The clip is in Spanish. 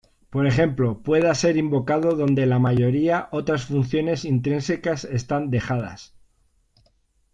Por ejemplo, pueda ser invocado dónde la mayoría otras funciones intrínsecas están dejadas.